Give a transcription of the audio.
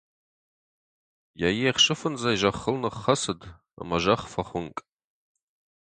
Йӕ ехсы фындзӕй зӕххыл ныххӕцыд, ӕмӕ зӕхх фӕхуынкъ.